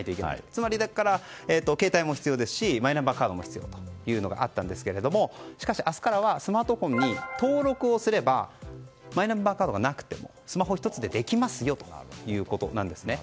つまり携帯も必要ですしマイナンバーカードも必要というのがあったんですけどもしかし明日からはスマートフォンに登録すればマイナンバーカードがなくてもスマホ１つでできますよということなんです。